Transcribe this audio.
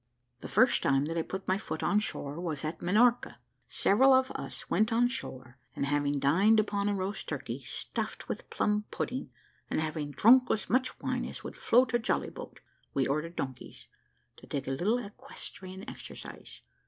"The first time that I put my foot on shore was at Minorca. Several of us went on shore, and having dined upon a roast turkey, stuffed with plum pudding, and having drunk as much wine as would float a jolly boat, we ordered donkeys, to take a little equestrian exercise.